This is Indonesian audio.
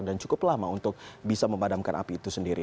dan cukup lama untuk bisa memadamkan api itu sendiri